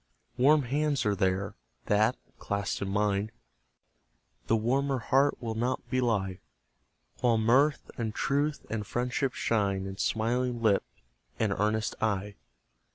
Warm hands are there, that, clasped in mine, The warmer heart will not belie; While mirth and truth, and friendship shine In smiling lip and earnest eye.